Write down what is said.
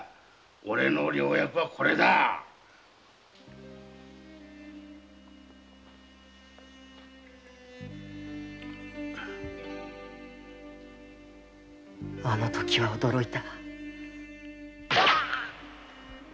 おれの良薬はこれだあのときは驚いた。